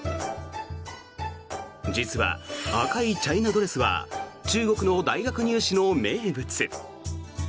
実は、赤いチャイナドレスは中国の大学入試の名物。